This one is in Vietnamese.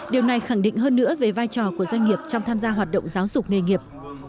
điều này khẳng định hơn nữa về vai trò của doanh nghiệp trong tham gia hoạt động giáo dục nghề nghiệp